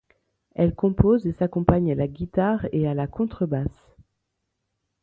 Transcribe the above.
Elle compose et s'accompagne à la guitare et à la contrebasse.